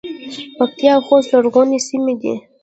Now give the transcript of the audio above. پکتیا او خوست لرغونې سیمې دي